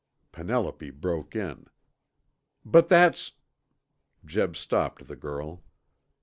Penelope broke in. "But that's " Jeb stopped the girl.